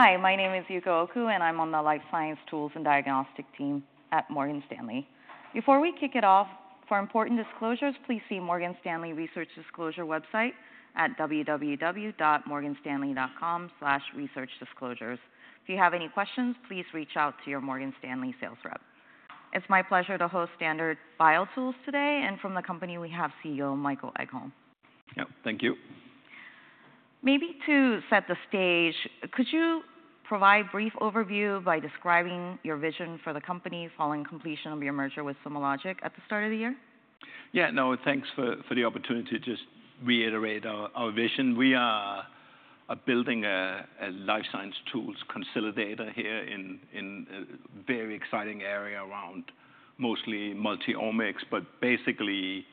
Hi, my name is Yuko Oku, and I'm on the Life Science Tools and Diagnostics team at Morgan Stanley. Before we kick it off, for important disclosures, please see Morgan Stanley Research Disclosure website at www.morganstanley.com/researchdisclosures. If you have any questions, please reach out to your Morgan Stanley sales rep. It's my pleasure to host Standard BioTools today, and from the company, we have CEO, Michael Egholm. Yeah, thank you. Maybe to set the stage, could you provide brief overview by describing your vision for the company following completion of your merger with SomaLogic at the start of the year? Yeah, no, thanks for the opportunity to just reiterate our vision. We are building a life science tools consolidator here in a very exciting area around mostly multi-omics, but basically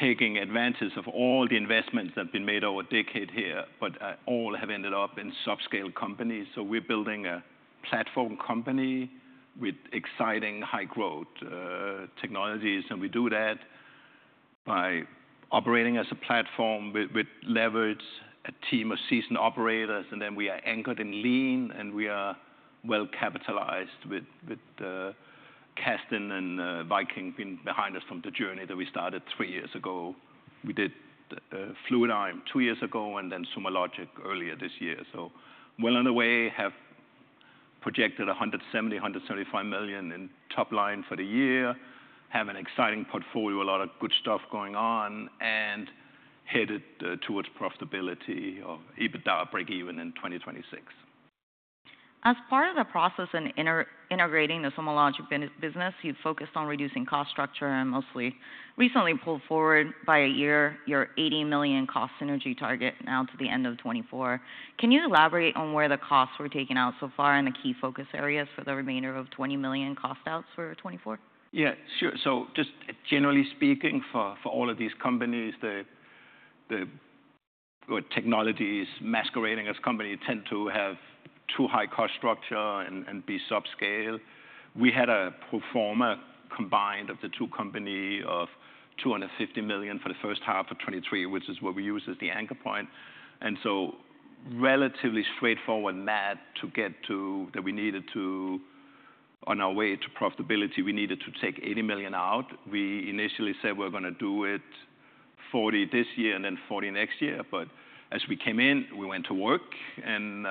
taking advantage of all the investments that have been made over a decade here, but all have ended up in subscale companies. So we're building a platform company with exciting high-growth technologies. And we do that by operating as a platform with leverage, a team of seasoned operators, and then we are anchored and lean, and we are well-capitalized with Casdin and Viking being behind us from the journey that we started three years ago. We did Fluidigm two years ago and then SomaLogic earlier this year. So well on the way, have projected $170 million-$175 million in top line for the year. Have an exciting portfolio, a lot of good stuff going on, and headed towards profitability or EBITDA breakeven in 2026. As part of the process in integrating the SomaLogic business, you focused on reducing cost structure and most recently pulled forward by a year, your $80 million cost synergy target now to the end of 2024. Can you elaborate on where the costs were taken out so far and the key focus areas for the remainder of $20 million cost outs for 2024? Yeah, sure. So just generally speaking, for all of these companies, the technologies masquerading as companies tend to have too high cost structure and be subscale. We had a pro forma combined of the two companies of $250 million for the first half of 2023, which is what we use as the anchor point, and so relatively straightforward math to get to that we needed to. On our way to profitability, we needed to take $80 million out. We initially said we're gonna do it $40 million this year and then $40 million next year, but as we came in, we went to work, and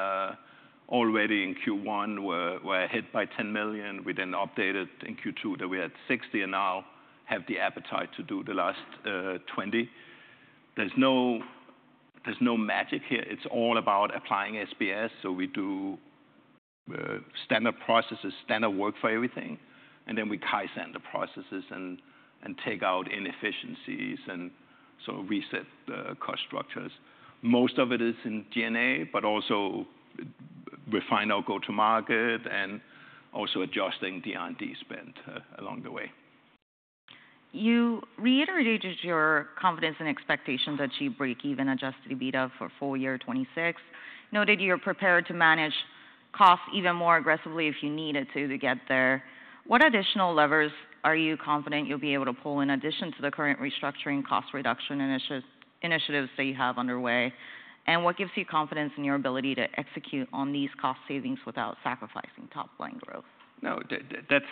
already in Q1, we're ahead by $10 million. We then updated in Q2 that we had $60 million and now have the appetite to do the last $20 million. There's no magic here. It's all about applying SBS. We do standard processes, standard work for everything, and then we kaizen the processes and take out inefficiencies and so reset the cost structures. Most of it is in G&A, but also refine our go-to-market and also adjusting R&D spend along the way. You reiterated your confidence and expectation that you break even adjusted EBITDA for full year 2026. Noted you're prepared to manage costs even more aggressively if you needed to, to get there. What additional levers are you confident you'll be able to pull in addition to the current restructuring cost reduction initiatives that you have underway? And what gives you confidence in your ability to execute on these cost savings without sacrificing top-line growth? No, that's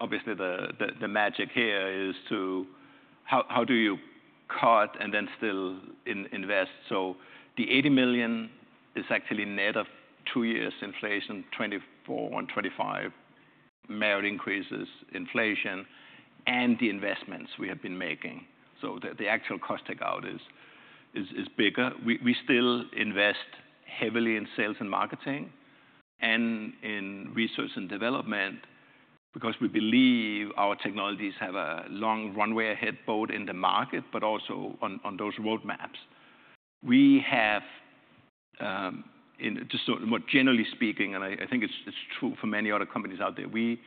obviously the magic here is how do you cut and then still invest? So the $80 million is actually net of two years inflation, 2024 and 2025, merit increases, inflation, and the investments we have been making. So the actual cost take out is bigger. We still invest heavily in sales and marketing and in research and development because we believe our technologies have a long runway ahead, both in the market but also on those roadmaps. We have, in just more generally speaking, and I think it's true for many other companies out there, we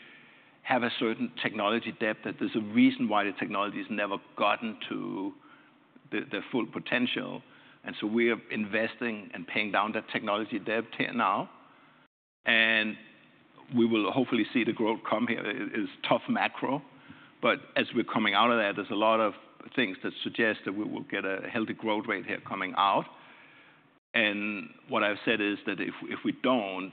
have a certain technology debt, that there's a reason why the technology's never gotten to the full potential. And so we are investing and paying down that technology debt here now, and we will hopefully see the growth come here. It is tough macro, but as we're coming out of that, there's a lot of things that suggest that we will get a healthy growth rate here coming out. And what I've said is that if, if we don't,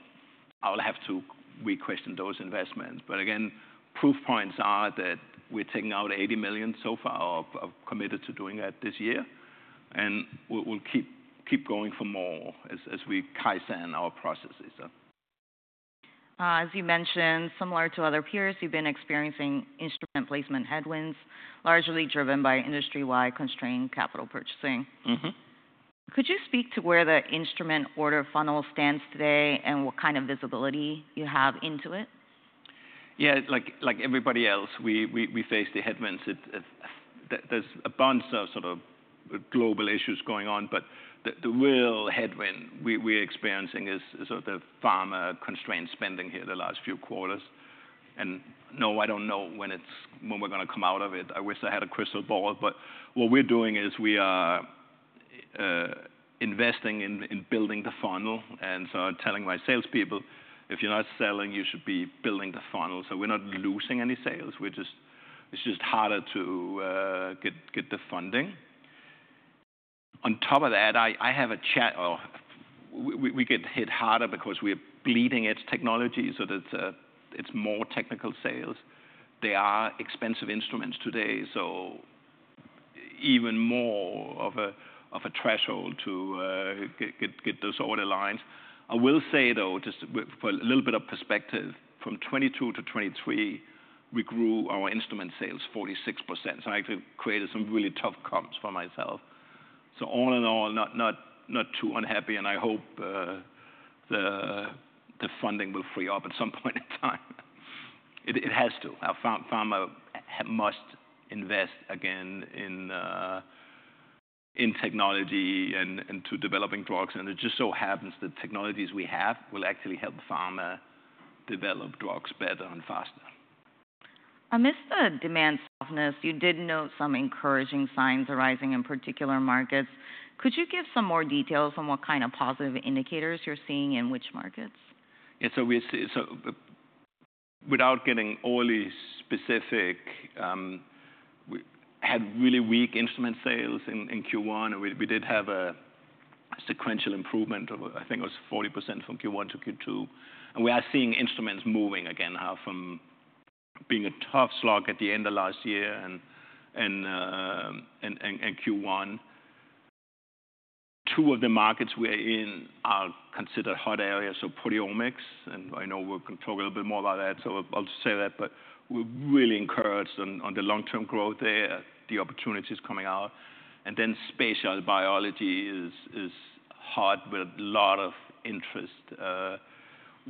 I will have to requestion those investments. But again, proof points are that we're taking out $80 million so far or have committed to doing that this year, and we, we'll keep, keep going for more as, as we kaizen our processes. As you mentioned, similar to other peers, you've been experiencing instrument placement headwinds, largely driven by industry-wide constrained capital purchasing. Mm-hmm. Could you speak to where the instrument order funnel stands today and what kind of visibility you have into it? Yeah, like everybody else, we face the headwinds. There's a bunch of sort of global issues going on, but the real headwind we're experiencing is sort of the pharma constrained spending here the last few quarters. And no, I don't know when we're gonna come out of it. I wish I had a crystal ball, but what we're doing is we are investing in building the funnel and so telling my salespeople, "If you're not selling, you should be building the funnel." So we're not losing any sales, we're just, It's just harder to get the funding. On top of that, we get hit harder because we are bleeding edge technology, so that it's more technical sales. They are expensive instruments today, so even more of a threshold to get those order lines. I will say, though, just with for a little bit of perspective, from 2022 to 2023, we grew our instrument sales 46%, so I actually created some really tough comps for myself, so all in all, not too unhappy, and I hope the funding will free up at some point in time. It has to. Our pharma must invest again in technology and to developing drugs, and it just so happens the technologies we have will actually help pharma develop drugs better and faster. Amidst the demand softness, you did note some encouraging signs arising in particular markets. Could you give some more details on what kind of positive indicators you're seeing in which markets? Yeah, so we see, so without getting overly specific, we had really weak instrument sales in Q1, and we did have a sequential improvement of, I think it was 40% from Q1 to Q2. And we are seeing instruments moving again now from being a tough slog at the end of last year and Q1. Two of the markets we are in are considered hot areas, so proteomics, and I know we're gonna talk a little bit more about that, so I'll just say that, but we're really encouraged on the long-term growth there, the opportunities coming out. And then spatial biology is hot with a lot of interest.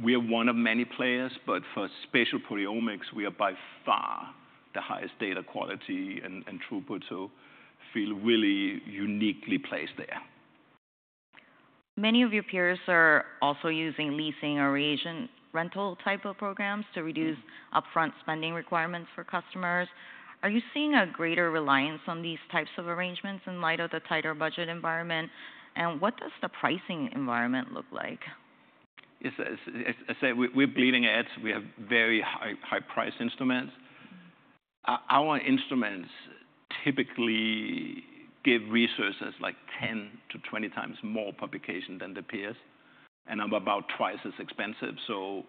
We are one of many players, but for spatial proteomics, we are by far the highest data quality and throughput, so feel really uniquely placed there. Many of your peers are also using leasing or agent rental type of programs to reduce- Mm-hmm. -upfront spending requirements for customers. Are you seeing a greater reliance on these types of arrangements in light of the tighter budget environment? And what does the pricing environment look like? Yes, as I said, we're bleeding edge. We have very high-priced instruments. Mm-hmm. Our instruments typically give resources like 10-20 times more publication than the peers, and I'm about twice as expensive, so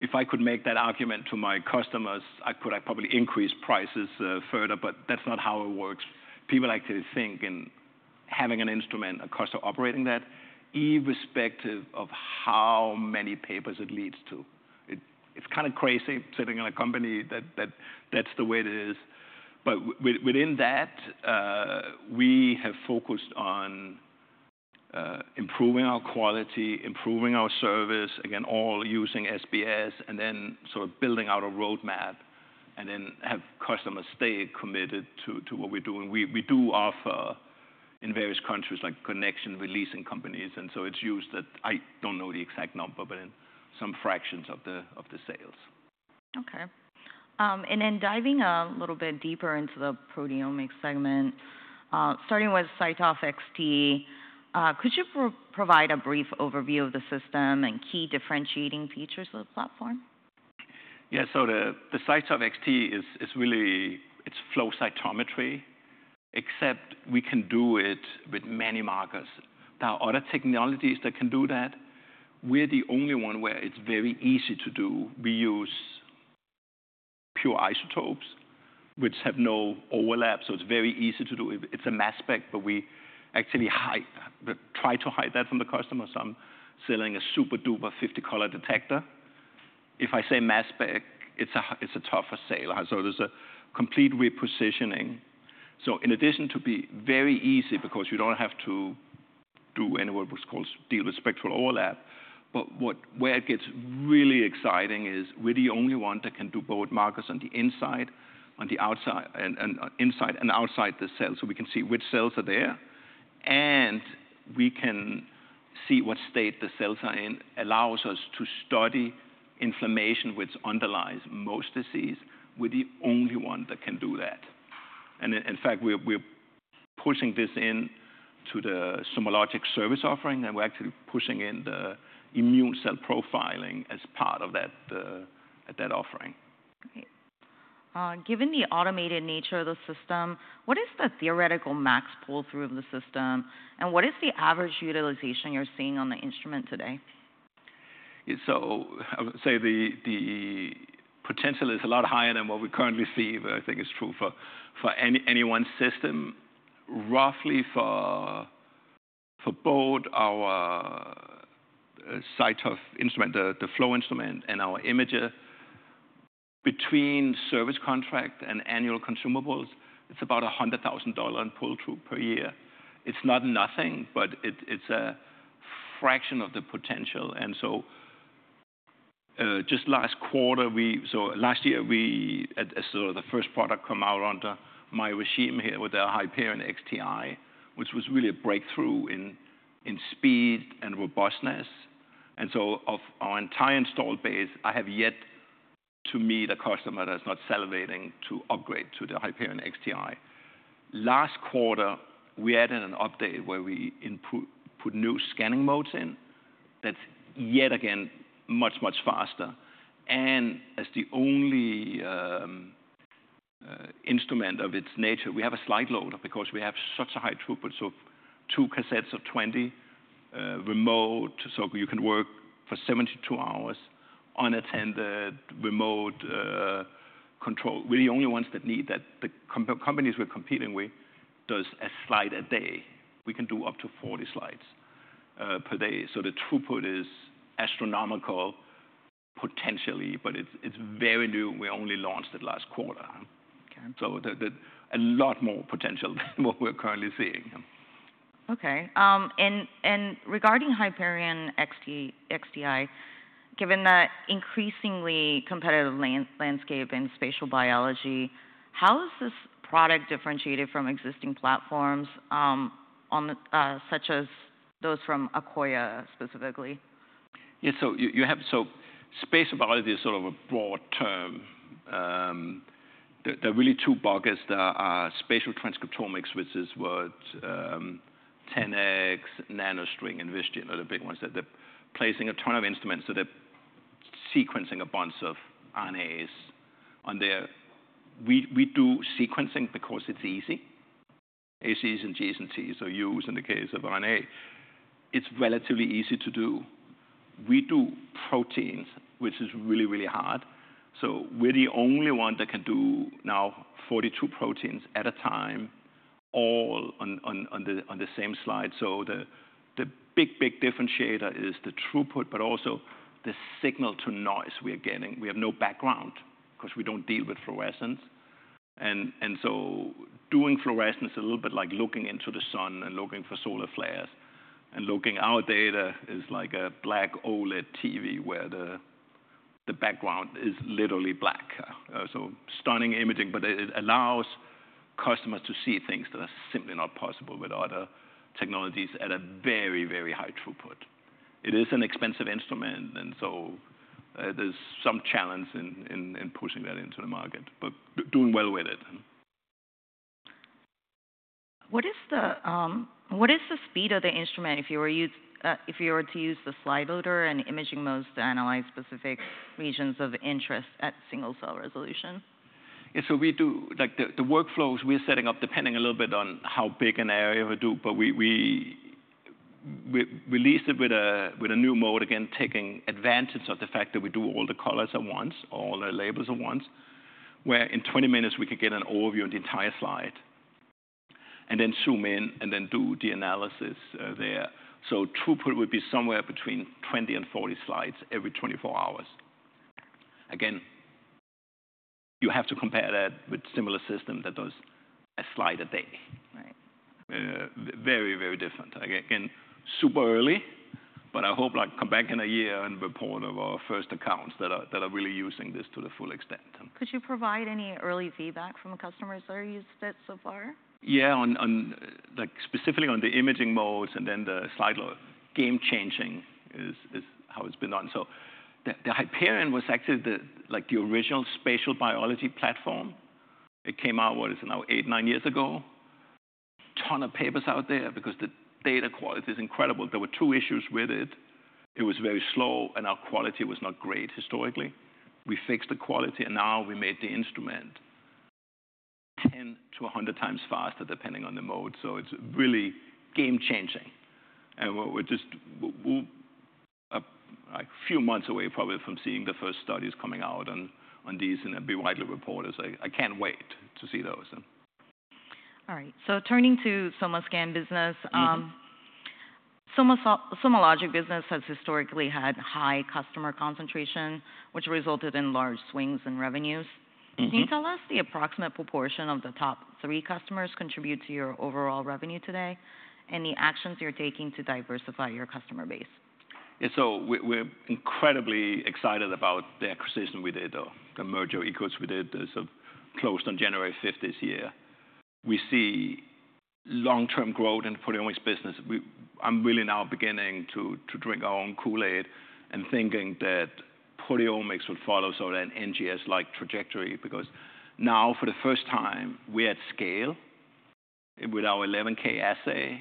if I could make that argument to my customers, I could, I'd probably increase prices further, but that's not how it works. People like to think in having an instrument, a cost of operating that, irrespective of how many papers it leads to. It's kind of crazy sitting in a company that that's the way it is, but within that, we have focused on improving our quality, improving our service, again, all using SBS, and then sort of building out a roadmap and then have customers stay committed to what we're doing. We do offer in various countries, like connection with leasing companies, and so it's used at... I don't know the exact number, but in some fractions of the sales. Okay, and then diving a little bit deeper into the proteomics segment, starting with CyTOF XT, could you provide a brief overview of the system and key differentiating features of the platform? Yeah. So the CyTOF XT is really, it's flow cytometry, except we can do it with many markers. There are other technologies that can do that. We're the only one where it's very easy to do. We use pure isotopes, which have no overlap, so it's very easy to do. It's a mass spec, but we actually hide, try to hide that from the customer. So I'm selling a super-duper fifty-color detector. If I say mass spec, it's a tougher sale. So there's a complete repositioning. So in addition to be very easy because you don't have to do any what's called deal with spectral overlap, but where it gets really exciting is we're the only one that can do both markers on the inside, on the outside, and inside and outside the cell. So we can see which cells are there, and we can see what state the cells are in, allows us to study inflammation, which underlies most disease. We're the only one that can do that. And in fact, we're pushing this into the SomaLogic service offering, and we're actually pushing in the immune cell profiling as part of that, at that offering. Okay. Given the automated nature of the system, what is the theoretical max pull-through of the system, and what is the average utilization you're seeing on the instrument today? So I would say the potential is a lot higher than what we currently see, but I think it's true for any one system. Roughly for both our CyTOF instrument, the flow instrument and our imager, between service contract and annual consumables, it's about $100,000 in pull-through per year. It's not nothing, but it's a fraction of the potential. And so just last quarter, so last year we as sort of the first product come out under my regime here with the Hyperion XTi, which was really a breakthrough in speed and robustness. And so of our entire installed base, I have yet to meet a customer that's not salivating to upgrade to the Hyperion XTi. Last quarter, we added an update where we put new scanning modes in. That's yet again much, much faster. As the only instrument of its nature, we have a slide loader because we have such a high throughput. So two cassettes of 20 remote, so you can work for 72 hours unattended, remote control. We're the only ones that need that. The companies we're competing with does a slide a day. We can do up to 40 slides per day. So the throughput is astronomical potentially, but it's very new. We only launched it last quarter. Okay. A lot more potential than what we're currently seeing. Okay. And regarding Hyperion XTi, given the increasingly competitive landscape in spatial biology, how is this product differentiated from existing platforms, such as those from Akoya specifically? Yeah. So spatial biology is sort of a broad term. There are really two buckets. There are spatial transcriptomics, which is what 10x, NanoString, and Visium are the big ones, that they're placing a ton of instruments, so they're sequencing a bunch of RNAs on there. We do sequencing because it's easy. As, Cs, and Gs and Ts or Us in the case of RNA, it's relatively easy to do. We do proteins, which is really hard, so we're the only one that can do 42 proteins at a time, all on the same slide. The big differentiator is the throughput, but also the signal-to-noise we are getting. We have no background 'cause we don't deal with fluorescence. Doing fluorescence is a little bit like looking into the sun and looking for solar flares. Looking at our data is like a black OLED TV, where the background is literally black. So stunning imaging, but it allows customers to see things that are simply not possible with other technologies at a very, very high throughput. It is an expensive instrument, and so there's some challenge in pushing that into the market, but doing well with it. What is the speed of the instrument if you were to use the slide loader and imaging modes to analyze specific regions of interest at single-cell resolution? Yeah, so we do. Like, the workflows we're setting up, depending a little bit on how big an area we do, but we release it with a new mode, again, taking advantage of the fact that we do all the colors at once, all the labels at once, where in twenty minutes we can get an overview of the entire slide and then zoom in, and then do the analysis there. So throughput would be somewhere between 20 and 40 slides every 24 hours. Again, you have to compare that with similar system that does a slide a day. Right. Very, very different. Again, super early, but I hope, like, come back in a year and report of our first accounts that are really using this to the full extent. Could you provide any early feedback from the customers that have used it so far? Yeah, on like, specifically on the imaging modes and then the slide load, game changing is how it's been done. So the Hyperion was actually the original spatial biology platform. It came out, what is it now? Eight, nine years ago. Ton of papers out there because the data quality is incredible. There were two issues with it. It was very slow, and our quality was not great historically. We fixed the quality, and now we made the instrument 10 to 100 times faster, depending on the mode, so it's really game changing. And we're just a few months away probably from seeing the first studies coming out on these, and it'll be widely reported. So I can't wait to see those then. All right, so turning to SomaScan business- Mm-hmm. SomaLogic business has historically had high customer concentration, which resulted in large swings in revenues. Mm-hmm. Can you tell us the approximate proportion of the top three customers contribute to your overall revenue today, and the actions you're taking to diversify your customer base? Yeah, so we're incredibly excited about the acquisition we did, or the merger we did. So closed on January 5th, this year. We see long-term growth in proteomics business. We-- I'm really now beginning to drink our own Kool-Aid and thinking that proteomics would follow sort of an NGS-like trajectory, because now, for the first time, we're at scale with our 11K assay,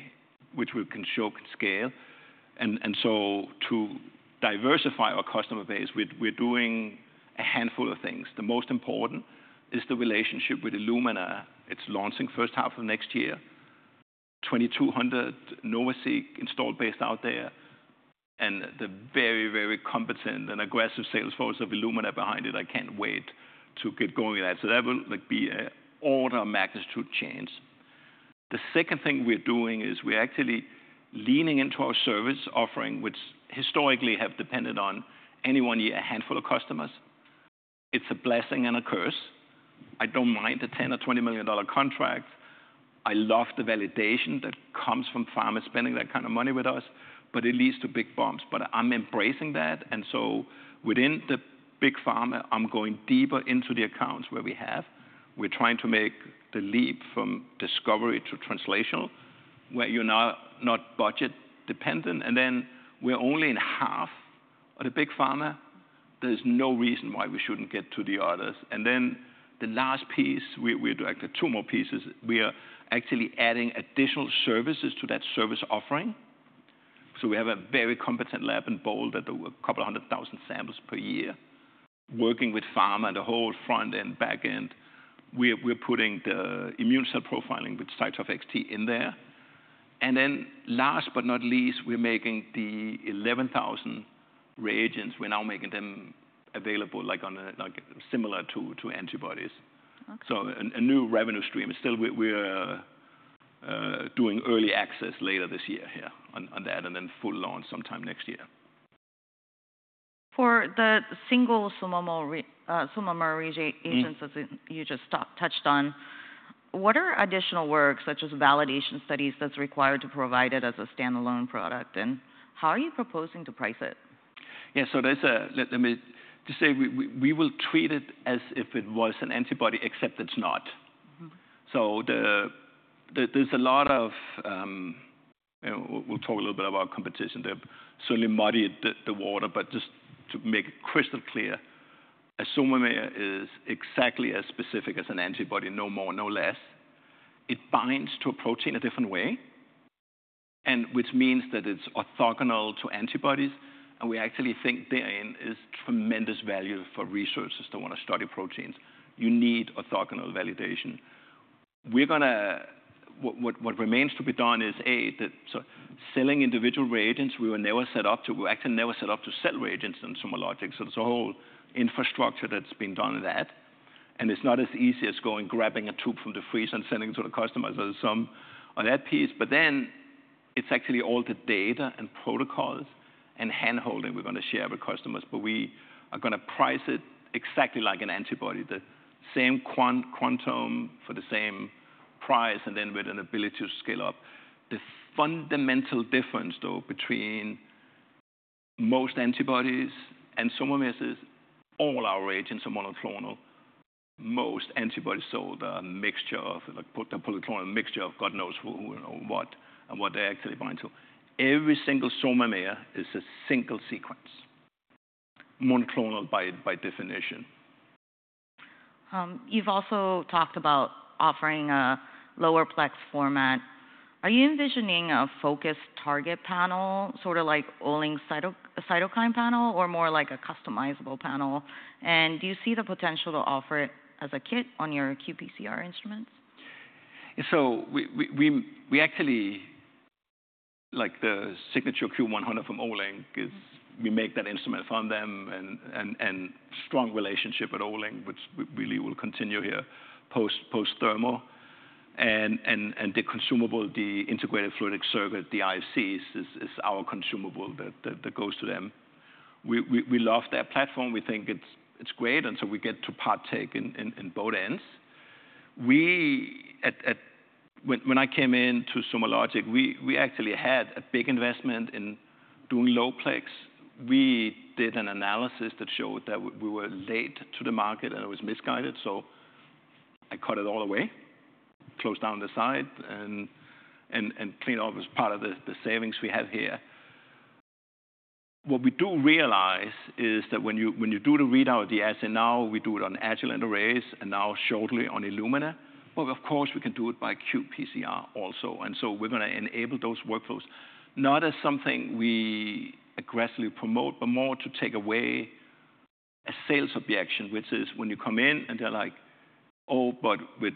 which we can show can scale. And so to diversify our customer base, we're doing a handful of things. The most important is the relationship with Illumina. It's launching first half of next year. 2,200 NovaSeq installed base out there, and the very competent and aggressive sales force of Illumina behind it. I can't wait to get going with that. So that will, like, be an order of magnitude change. The second thing we're doing is we're actually leaning into our service offering, which historically have depended on any one year, a handful of customers. It's a blessing and a curse. I don't mind a $10 million or $20 million contract. I love the validation that comes from pharma spending that kind of money with us, but it leads to big bumps. But I'm embracing that, and so within the big pharma, I'm going deeper into the accounts where we have. We're trying to make the leap from discovery to translational, where you're not budget dependent. And then we're only in half on a big pharma, there's no reason why we shouldn't get to the others. And then the last piece, we're doing actually two more pieces. We are actually adding additional services to that service offering. We have a very competent lab in Boulder that do a couple of hundred thousand samples per year, working with pharma and the whole front end, back end. We're putting the immune cell profiling with CyTOF XT in there. And then last but not least, we're making the 11,000 reagents, we're now making them available, like, on a, like, similar to, to antibodies. Okay. A new revenue stream. Still, we're doing early access later this year, yeah, on that, and then full launch sometime next year. For the single SOMAmer reagents- Mm. As you just touched on, what are additional works, such as validation studies, that's required to provide it as a standalone product? And how are you proposing to price it? Yeah, so let me say we will treat it as if it was an antibody, except it's not. Mm-hmm. There's a lot of. We'll talk a little bit about competition. They've certainly muddied the water, but just to make it crystal clear, a SOMAmer is exactly as specific as an antibody, no more, no less. It binds to a protein a different way, and which means that it's orthogonal to antibodies, and we actually think therein is tremendous value for researchers that want to study proteins. You need orthogonal validation. What remains to be done is, so selling individual reagents, we were never set up to. We're actually never set up to sell reagents in SomaLogic, so it's a whole infrastructure that's been done in that. And it's not as easy as going, grabbing a tube from the freezer and sending it to the customer. So, some on that piece, but then it's actually all the data and protocols and handholding we're gonna share with customers. But we are gonna price it exactly like an antibody, the same quantity for the same price, and then with an ability to scale up. The fundamental difference, though, between most antibodies and SOMAmer is all our agents are monoclonal. Most antibodies, so the mixture of, the polyclonal mixture of God knows who, you know, what and what they actually bind to. Every single SOMAmer is a single sequence, monoclonal by definition. You've also talked about offering a lower plex format. Are you envisioning a focused target panel, sort of like Olink cyto, cytokine panel, or more like a customizable panel? And do you see the potential to offer it as a kit on your qPCR instruments? So we actually like the Signature Q100 from Olink- Mm-hmm. we make that instrument for them, and a strong relationship with Olink, which we really will continue here, post-Thermo. And the consumable, the integrated fluidic circuit, the IFCs, is our consumable that goes to them. We love their platform. We think it's great, and so we get to partake in both ends. When I came into SomaLogic, we actually had a big investment in doing low plex. We did an analysis that showed that we were late to the market, and it was misguided, so I cut it all away, closed down the site and cleaned up as part of the savings we have here. What we do realize is that when you do the readout of the assay, now we do it on Agilent arrays and now shortly on Illumina, but of course, we can do it by qPCR also, and so we're gonna enable those workflows, not as something we aggressively promote, but more to take away a sales objection, which is when you come in and they're like: "Oh, but with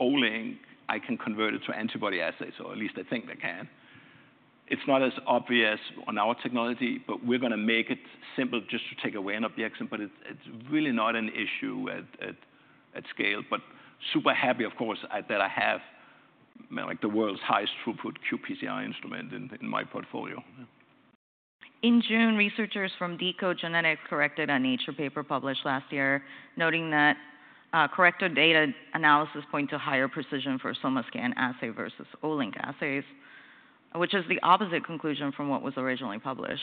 Olink, I can convert it to antibody assays, or at least I think I can." It's not as obvious on our technology, but we're gonna make it simple just to take away an objection, but it's really not an issue at scale, but super happy, of course, that I have, like, the world's highest throughput qPCR instrument in my portfolio. In June, researchers from deCODE genetics corrected a Nature paper published last year, noting that corrected data analysis points to higher precision for SomaScan assay versus Olink assays, which is the opposite conclusion from what was originally published.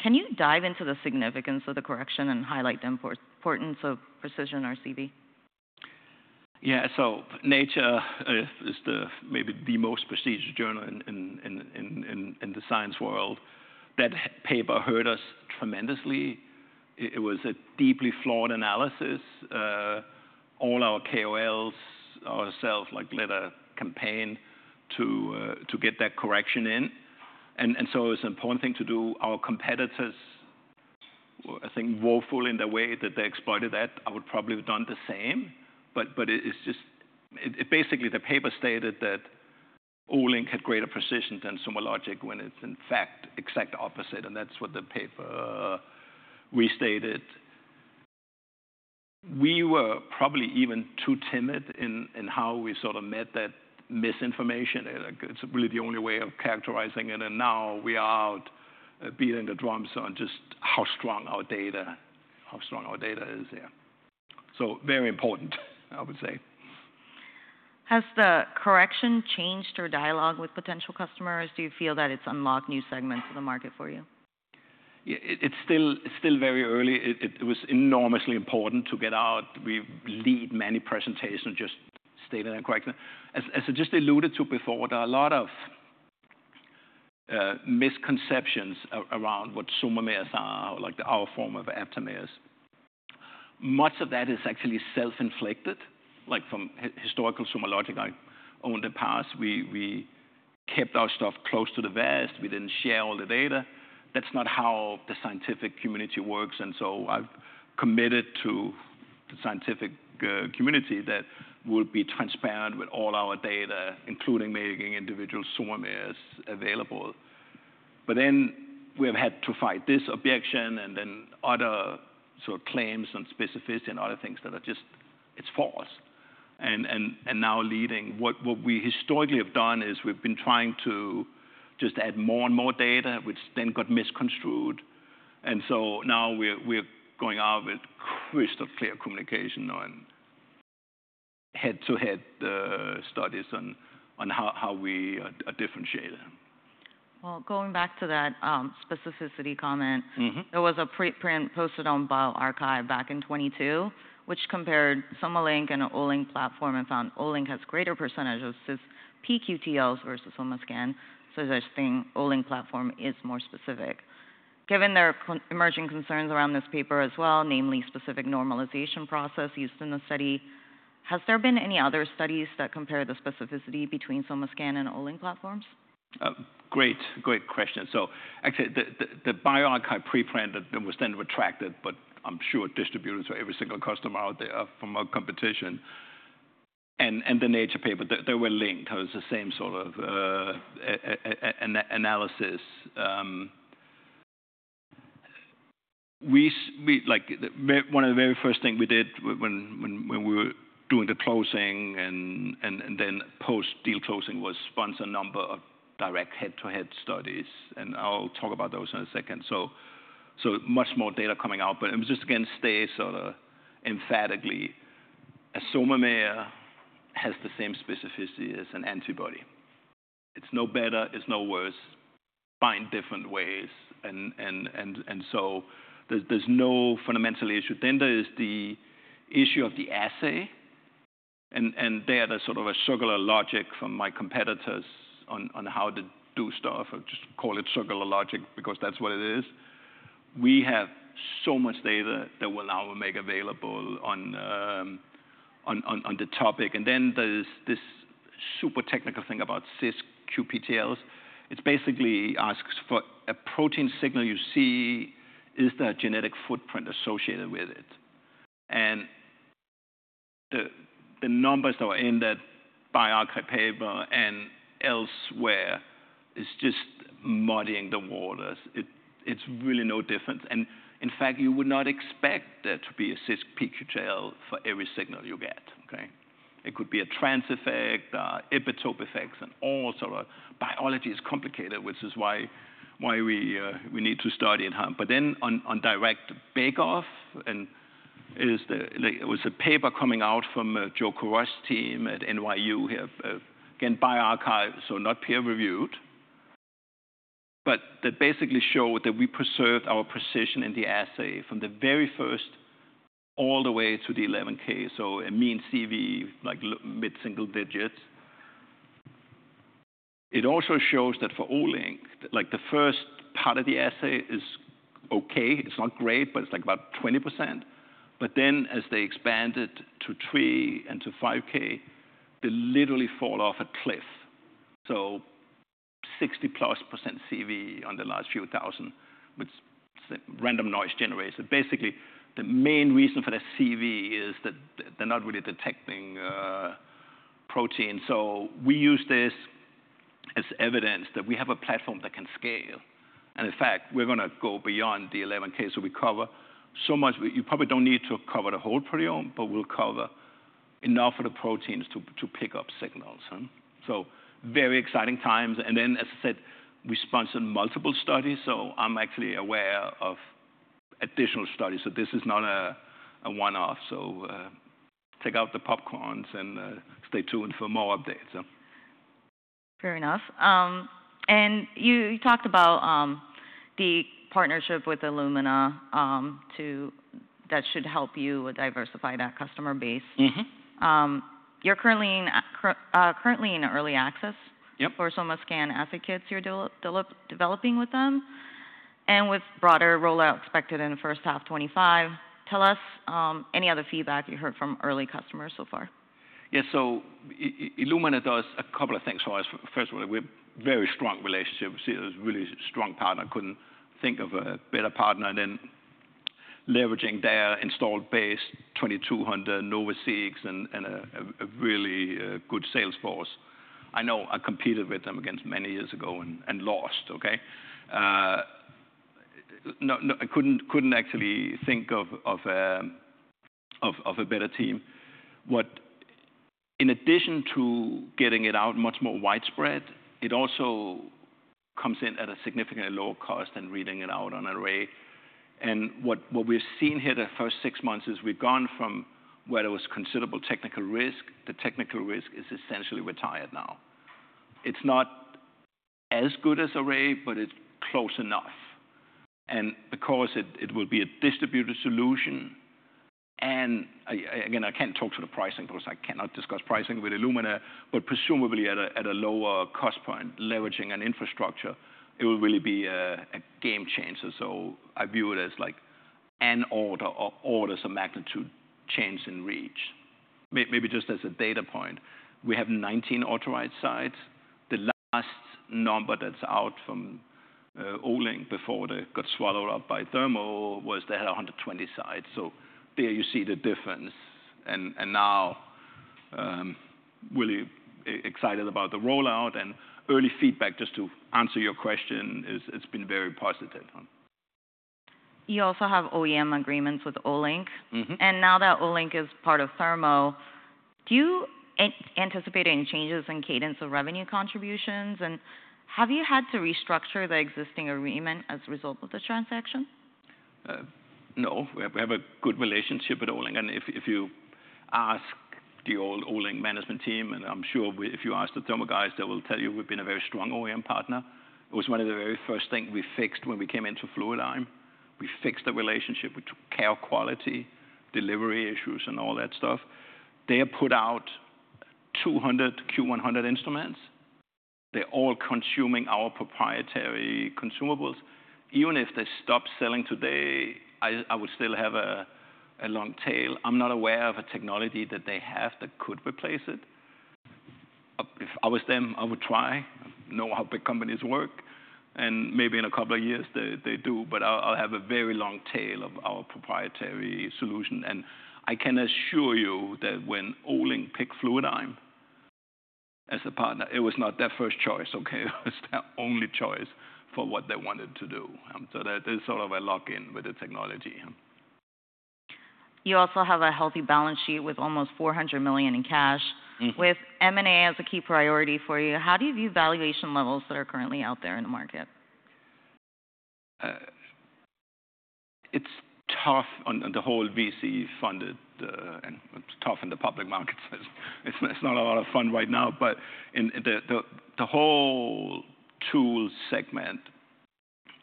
Can you dive into the significance of the correction and highlight the importance of precision RCV? Yeah, so Nature is the maybe the most prestigious journal in the science world. That paper hurt us tremendously. It was a deeply flawed analysis. All our KOLs, ourselves, like, led a campaign to get that correction in. And so it's an important thing to do. Our competitors were, I think, woeful in the way that they exploited that. I would probably have done the same, but it, it's just... It basically, the paper stated that Olink had greater precision than SomaLogic, when it's in fact exact opposite, and that's what the paper restated. We were probably even too timid in how we sort of met that misinformation. Like, it's really the only way of characterizing it, and now we are out beating the drums on just how strong our data is, yeah, so very important, I would say. Has the correction changed your dialogue with potential customers? Do you feel that it's unlocked new segments of the market for you? Yeah, it's still very early. It was enormously important to get out. We lead many presentations just stated that correctly. As I just alluded to before, there are a lot of misconceptions around what SOMAmers are, like our form of aptamers. Much of that is actually self-inflicted, like from historical SomaLogic. In the past, we kept our stuff close to the vest. We didn't share all the data. That's not how the scientific community works, and so I've committed to the scientific community that we'll be transparent with all our data, including making individual SOMAmers available. But then we have had to fight this objection and then other sort of claims on specificity and other things that are just false. What we historically have done is we've been trying to just add more and more data, which then got misconstrued, and so now we're going out with crystal clear communication on head-to-head studies on how we are differentiated. Well, going back to that, specificity comment. Mm-hmm. There was a preprint posted on bioRxiv back in 2022, which compared SomaScan and Olink platform, and found Olink has greater percentage of cis-pQTLs versus SomaScan, suggesting Olink platform is more specific. Given there are emerging concerns around this paper as well, namely specific normalization process used in the study, has there been any other studies that compare the specificity between SomaScan and Olink platforms? Great, great question. Actually, the bioRxiv preprint that was then retracted, but I'm sure distributed to every single customer out there from our competition and the Nature paper, they were linked. It was the same sort of analysis. We, like, the very first thing we did when we were doing the closing and then post-deal closing was sponsor a number of direct head-to-head studies, and I'll talk about those in a second, so much more data coming out, but it was just, again, state sort of emphatically, a SOMAmer has the same specificity as an antibody. It's no better, it's no worse, find different ways and so there's no fundamental issue. Then there is the issue of the assay, and there the sort of a circular logic from my competitors on how to do stuff. I just call it circular logic because that's what it is. We have so much data that we'll now make available on the topic. And then there's this super technical thing about cis-pQTLs. It's basically asks for a protein signal you see, is there a genetic footprint associated with it? And the numbers that were in that bioRxiv paper and elsewhere is just muddying the waters. It's really no different. And in fact, you would not expect there to be a cis-pQTL for every signal you get, okay? It could be a trans effect, epitope effects, and all sort of. Biology is complicated, which is why we need to study it. But then on direct bake-off, it was a paper coming out from Joe Coresh team at NYU here. Again, bioRxiv, so not peer-reviewed, but that basically showed that we preserved our precision in the assay from the very first all the way to the 11K. So a mean CV, like low-mid single digits. It also shows that for Olink, like the first part of the assay is okay. It's not great, but it's like about 20%. But then as they expand it to 3K and to 5K, they literally fall off a cliff. So 60+% CV on the last few thousand, which random noise generated. Basically, the main reason for the CV is that they're not really detecting protein. So we use this as evidence that we have a platform that can scale, and in fact, we're gonna go beyond the 11K. So we cover so much. You probably don't need to cover the whole proteome, but we'll cover enough of the proteins to pick up signals, huh? So very exciting times. And then, as I said, we sponsored multiple studies, so I'm actually aware of additional studies. So this is not a one-off. So take out the popcorns and stay tuned for more updates. Fair enough, and you talked about the partnership with Illumina. That should help you diversify that customer base. Mm-hmm. You're currently in early access. Yep. -for SomaScan assay kits you're developing with them, and with broader rollout expected in the first half 2025. Tell us, any other feedback you heard from early customers so far. Yeah. So Illumina does a couple of things for us. First of all, we have very strong relationship. See, it was a really strong partner. Couldn't think of a better partner than leveraging their installed base, 2,200 NovaSeq and a really good sales force. I know I competed with them against many years ago and lost, okay? I couldn't actually think of a better team. In addition to getting it out much more widespread, it also comes in at a significantly lower cost than reading it out on array. And what we've seen here the first six months is we've gone from where there was considerable technical risk. The technical risk is essentially retired now. It's not as good as array, but it's close enough. And because it will be a distributed solution, and again, I can't talk to the pricing because I cannot discuss pricing with Illumina, but presumably at a lower cost point, leveraging an infrastructure, it will really be a game changer. So I view it as like an order of orders of magnitude change in reach. Maybe just as a data point, we have 19 authorized sites. The last number that's out from Olink before they got swallowed up by Thermo was they had 120 sites. So there you see the difference. And now really excited about the rollout, and early feedback, just to answer your question, is it's been very positive. You also have OEM agreements with Olink. Mm-hmm. And now that Olink is part of Thermo, do you anticipate any changes in cadence of revenue contributions? And have you had to restructure the existing agreement as a result of the transaction? No, we have a good relationship with Olink. And if you ask the old Olink management team, and I'm sure if you ask the Thermo guys, they will tell you we've been a very strong OEM partner. It was one of the very first things we fixed when we came into Fluidigm. We fixed the relationship. We took care of quality, delivery issues, and all that stuff. They have put out 200 Q100 instruments. They're all consuming our proprietary consumables. Even if they stop selling today, I would still have a long tail. I'm not aware of a technology that they have that could replace it. If I was them, I would try. I know how big companies work, and maybe in a couple of years they do, but I'll have a very long tail of our proprietary solution. I can assure you that when Olink picked Fluidigm as a partner, it was not their first choice, okay? It was their only choice for what they wanted to do. So that is sort of a lock-in with the technology. You also have a healthy balance sheet with almost $400 million in cash. Mm-hmm. With M&A as a key priority for you, how do you view valuation levels that are currently out there in the market? It's tough on the whole VC-funded, and it's tough in the public markets. It's not a lot of fun right now, but in the whole tools segment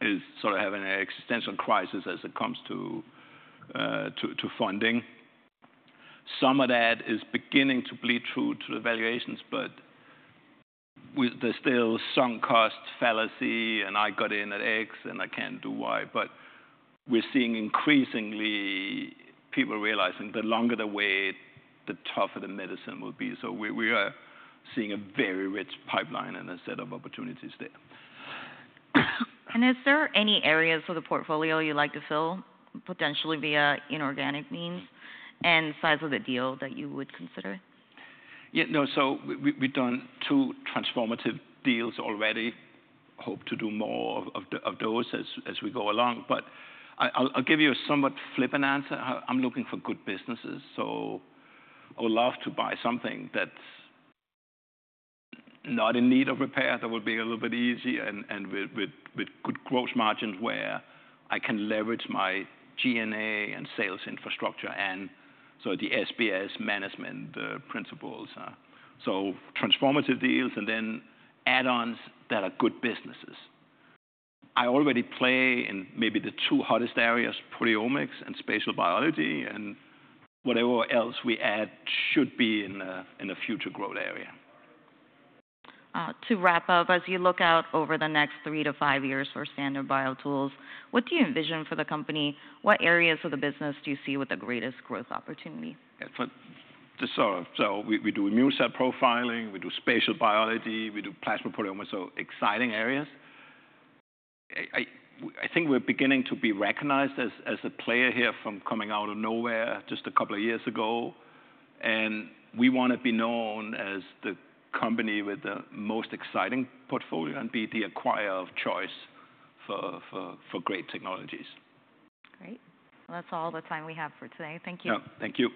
is sort of having an existential crisis as it comes to funding. Some of that is beginning to bleed through to the valuations, but there's still some cost fallacy, and I got in at X, and I can't do Y. But we're seeing increasingly people realizing the longer they wait, the tougher the medicine will be. So we are seeing a very rich pipeline and a set of opportunities there. Is there any areas of the portfolio you'd like to fill, potentially via inorganic means, and size of the deal that you would consider? Yeah, no. So we've done two transformative deals already. Hope to do more of those as we go along. But I'll give you a somewhat flippant answer. I'm looking for good businesses, so I would love to buy something that's not in need of repair, that would be a little bit easy and with good gross margins, where I can leverage my G&A and sales infrastructure, and so the SBS management principles. So transformative deals and then add-ons that are good businesses. I already play in maybe the two hottest areas, proteomics and spatial biology, and whatever else we add should be in a future growth area. To wrap up, as you look out over the next three to five years for Standard BioTools, what do you envision for the company? What areas of the business do you see with the greatest growth opportunity? So we do immune cell profiling, we do spatial biology, we do plasma proteomics, so exciting areas. I think we're beginning to be recognized as a player here from coming out of nowhere just a couple of years ago. And we want to be known as the company with the most exciting portfolio and be the acquirer of choice for great technologies. Great. Well, that's all the time we have for today. Thank you. Yeah. Thank you.